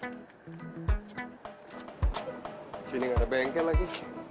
disini ga ada bengkel lagi